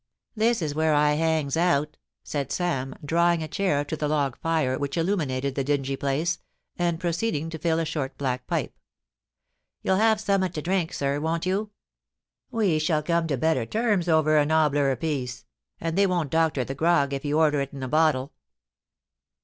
* This is where I hangs out,' said Sam, drawing a chair to the log fire which illuminated the dingy place, and proceed ing to fill a short black pipe. ' You'll have summat to drink, sir, won't you? We shall come to better terms over a nobbier apiece, and they won't doctor the grog if you order it in the bottle.'